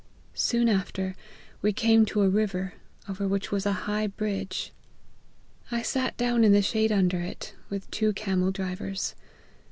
Soon after, we came to a river, over which was a high bridge ; I sat down in the shade under it, with two camel drivers.